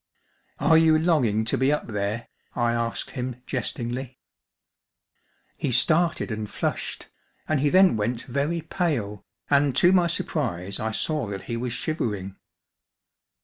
"Are you longing to be up there?" I asked him jestingly. He started and flushed, and he then went very pale, and to my surprise I saw that he was shivering.